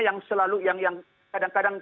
yang selalu yang kadang kadang